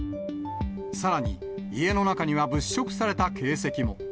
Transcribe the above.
さらに、家の中には物色された形跡も。